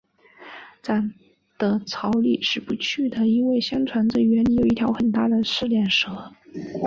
长的草里是不去的，因为相传这园里有一条很大的赤练蛇